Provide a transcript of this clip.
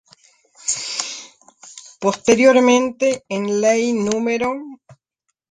Posteriormente, en ley No.